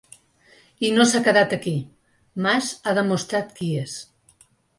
I no s’ha quedat aquí: Mas ha demostrat qui és.